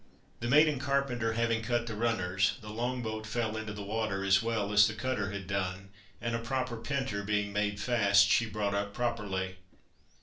The mate and carpenter having cut the runners, the long boat fell into the water as well as the cutter had done, and a proper penter being made fast, she brought up properly.